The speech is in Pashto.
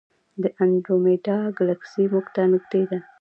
د انډرومیډا ګلکسي موږ ته نږدې ده.